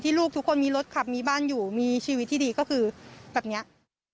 ลูกทุกคนมีรถขับมีบ้านอยู่มีชีวิตที่ดีก็คือแบบเนี้ย